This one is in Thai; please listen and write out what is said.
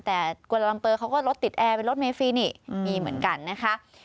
แต่กวาลาลัมเปอร์เขาก็รถติดแอร์เป็นรถเมฟรีนี่มีเหมือนกันนะคะ